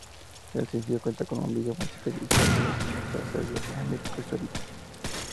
El sencillo cuenta con un video musical dirigido por el cineasta serbio Emir Kusturica.